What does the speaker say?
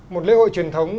một lễ hội truyền thống